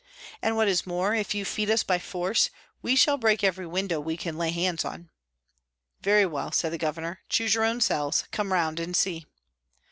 And what is more, if you feed us by force, we shall break every window we can lay hands on." " Very well," said the Governor, " choose your own cells ; come round and see."